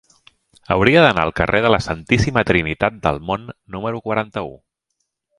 Hauria d'anar al carrer de la Santíssima Trinitat del Mont número quaranta-u.